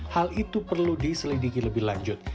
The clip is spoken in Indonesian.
hal itu perlu diselidiki lebih lanjut